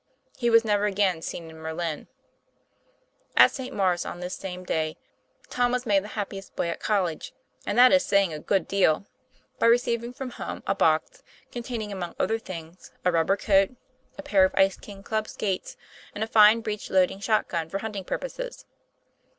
He was never again seen in Merlin. At St. Maure's, on this same day, Tom was made the happiest boy at college and that is saying a good deal by receiving from home a box contain ing, among other things, a rubber coat, a pair of Ice King club skates, and a fine breech loading shot gun for hunting purposes.